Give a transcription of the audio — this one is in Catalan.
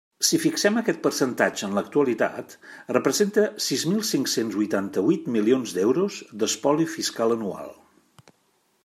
Si fixem aquest percentatge en l'actualitat, representa sis mil cinc-cents huitanta-huit milions d'euros d'espoli fiscal anual.